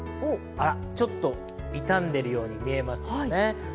ちょっと傷んでいるように見えますよね。